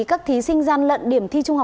các thí sinh gian lận điểm thi trung học